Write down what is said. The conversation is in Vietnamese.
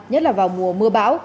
nhất là vào mùa mưa bão